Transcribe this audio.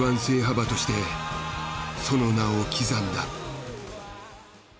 馬としてその名を刻んだ。